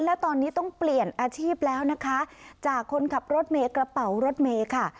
และตอนนี้ต้องเปลี่ยนอาชีพแล้วนะคะจากคนขับรถเมย์กระเป๋ารถเมย์ค่ะ